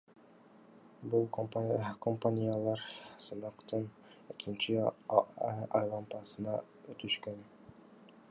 Бул компаниялар сынактын экинчи айлампасына өтүшкөн.